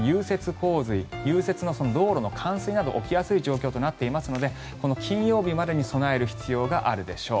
洪水融雪による道路の冠水など起きやすい状況になっていますので金曜日までに備える必要があるでしょう。